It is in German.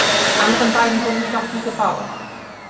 Die anderen beiden wurden jedoch nie gebaut.